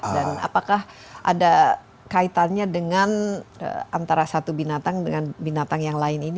dan apakah ada kaitannya dengan antara satu binatang dengan binatang yang lain ini